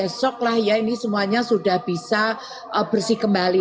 besok lah ya ini semuanya sudah bisa bersih kembali